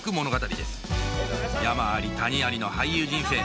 山あり谷ありの俳優人生